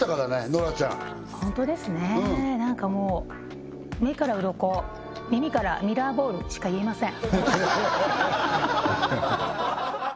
ノラちゃんホントですね何かもう目からうろこ耳からミラーボールしか言えません